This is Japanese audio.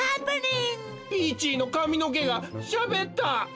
！？ピーチーのかみのけがしゃべった！